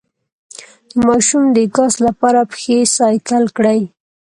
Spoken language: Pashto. د ماشوم د ګاز لپاره پښې سایکل کړئ